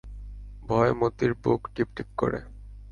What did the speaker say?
ভয়ে মতির বুক টিপটিপ করে।